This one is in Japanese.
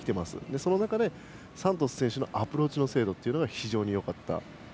その中で、サントス選手のアプローチの精度というのが非常によかった。